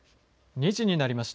２時になりました。